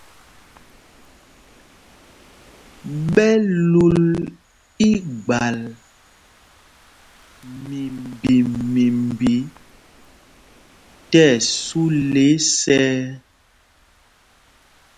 Ɓɛ lǔl igbal mimbi mimbi tí ɛsu lɛ́ isɛɛ.